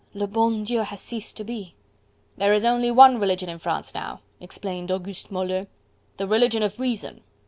Le bon Dieu has ceased to be! "There is only one religion in France now," explained Auguste Moleux, "the religion of Reason!